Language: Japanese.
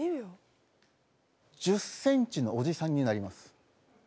１０ｃｍのおじさんになります。